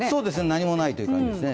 何もないという感じですね。